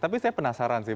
tapi saya penasaran sih